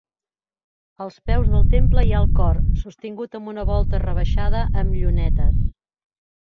Als peus del temple hi ha el cor, sostingut amb una volta rebaixada amb llunetes.